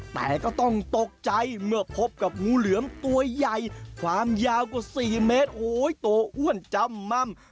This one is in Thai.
แต่ก็ต้องตกใจเมื่อพบกับงูเหลือมตัวใหญ่ความยาวกว่า๔เมตรโอ้โหโตอ้วนจำม่ำ